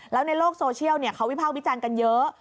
แล้วในโลกโซเชียลเขาวิภาควิจารณ์กันเยอะ